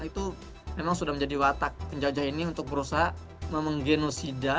itu memang sudah menjadi watak penjajah ini untuk berusaha menggenosida